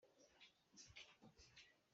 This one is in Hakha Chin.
Ka duh hrim ko .